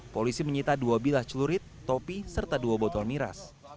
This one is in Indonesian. polisi menyita dua bilah celurit topi serta dua botol miras